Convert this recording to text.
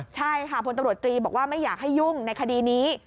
ใช่ค่ะพลตำรวจตรีบอกว่าไม่อยากให้ยุ่งในคดีนี้